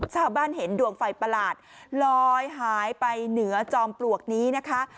ชาวบ้านเห็นดวงไฟประหลาดลอยหายไปเหนือจอมปลวกนี้นะคะ